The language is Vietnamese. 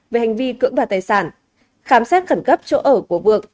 về hành vi cưỡng đoạt tài sản khám xét khẩn cấp chỗ ở của vượng